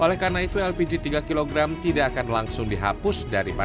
oleh karena itu lpg tiga kg tidak akan langsung dihapus daripada